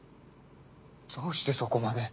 どうしてそこまで。